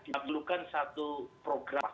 diperlukan satu program